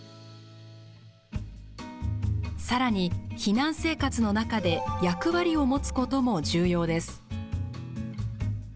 さらに避難生活の中で役割を持つことも重要です。